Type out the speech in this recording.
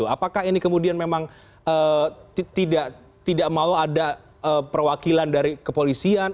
apakah ini kemudian memang tidak mau ada perwakilan dari kepolisian